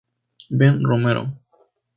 Ben Romero.